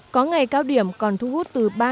có ngày cao điểm còn thu hút từ ba